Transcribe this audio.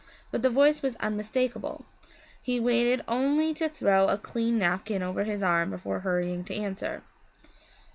But the voice was unmistakable; he waited only to throw a clean napkin over his arm before hurrying to answer.